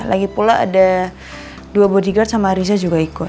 lagipula ada dua bodyguard sama riza juga ikut